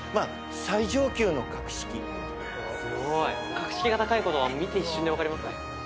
格式が高いことは見て一瞬で分かりますね。